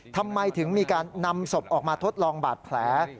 ทำไมถึงมีการนำศพออกมาทดลองบาดแผล